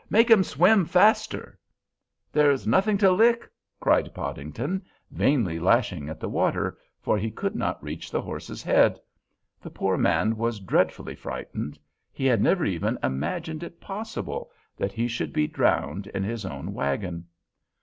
"Make him swim faster!" "There's nothing to lick," cried Podington, vainly lashing at the water, for he could not reach the horse's head. The poor man was dreadfully frightened; he had never even imagined it possible that he should be drowned in his own wagon.